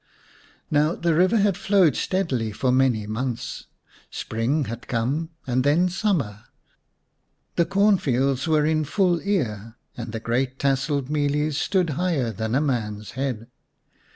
Now the river had flowed steadily for many months ; spring had come and then summer ; the cornfields were in full ear, and the great tasselled mealies stood higher than a man's head.